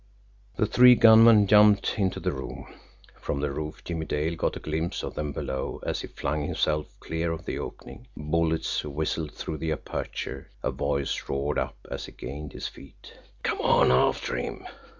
The three gunmen jumped into the room from the roof Jimmie Dale got a glimpse of them below, as he flung himself clear of the opening. Bullets whistled through the aperture a voice roared up as he gained his feet: "Come on! After him!